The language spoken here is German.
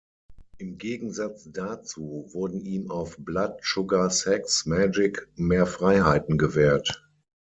Im Gegensatz dazu wurden ihm auf Blood Sugar Sex Magik mehr Freiheiten gewährt.